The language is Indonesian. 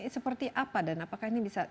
seperti apa dan apakah ini bisa